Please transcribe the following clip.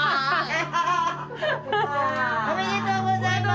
おめでとうございます！